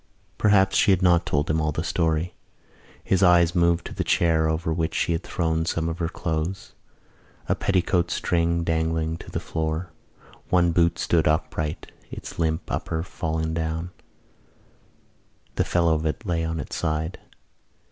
Perhaps she had not told him all the story. His eyes moved to the chair over which she had thrown some of her clothes. A petticoat string dangled to the floor. One boot stood upright, its limp upper fallen down: the fellow of it lay upon its side.